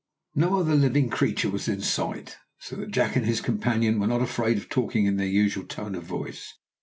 No other living creature was in sight, so that Jack and his companion were not afraid of talking in their usual tone of voice.